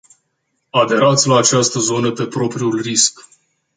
Aderați la această zonă pe propriul risc.